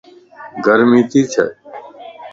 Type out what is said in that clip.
گرمي تي ڇَ